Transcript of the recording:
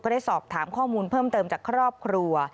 ได้สอบถามข้อมูลเพิ่มเติมจากครอบครัว